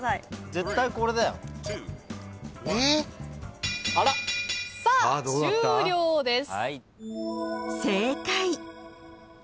絶対これだよ。えっ！？さあ終了です。